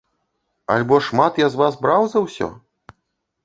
Альбо шмат я з вас браў за ўсё?